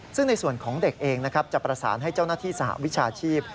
ซึ่งในส่วนของเด็กเองนะครับจะประสานให้เจ้าหน้าที่สหวิชาชีพ